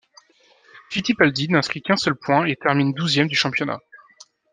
Fittipaldi n'inscrit qu'un seul point et termine douzième du championnat.